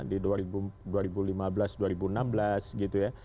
di dua ribu lima belas dua ribu enam belas gitu ya